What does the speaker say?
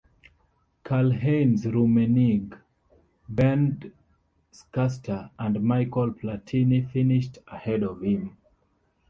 Karl-Heinz Rummenigge, Bernd Schuster and Michel Platini finished ahead of him.